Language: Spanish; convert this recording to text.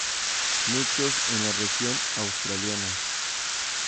Muchos en la región Australiana.